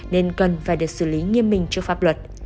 nên cần phải được xử lý nghiêm minh trước pháp luật